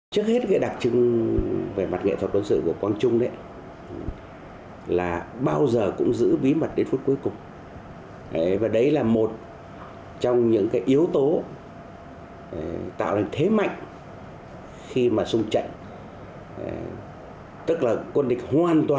trước hết đặc trưng về mặt nghệ thuật đối xử của quang trung là